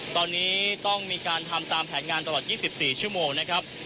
ตอนนี้ต้องมีการทำตามแผนงานตลอด๒๔ชั่วโมงนะครับ